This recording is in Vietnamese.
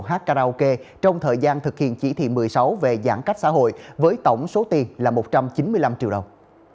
hát karaoke trong thời gian thực hiện chỉ thị một mươi sáu về giãn cách xã hội với tổng số tiền là một trăm chín mươi năm triệu đồng